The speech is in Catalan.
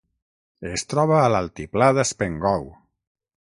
Es troba a l'altiplà d'Haspengouw.